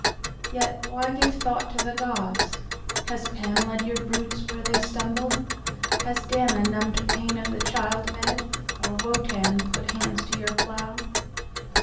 "Yet, why give thought to the gods? Has Pan led your brutes where they stumble?"Has Dana numbed pain of the child bed, or Wotan put hands to your plough?